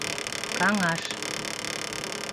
Каҥаш